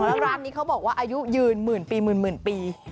แล้วร้านนี้เขาบอกว่าอายุยืนหมื่นปีหมื่นปี